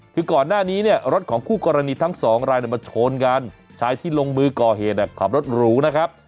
คือก่อนหน้านี้เนี่ยรถของคู่กรณีทั้งสองรายมาชนกันชายที่ลงมือก่อเหตุขับรถหรูนะครับ